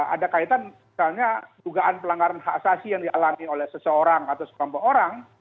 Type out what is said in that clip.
ada kaitan misalnya dugaan pelanggaran hak asasi yang dialami oleh seseorang atau sekelompok orang